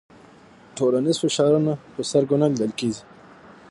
ټولنیز فشارونه په سترګو نه لیدل کېږي.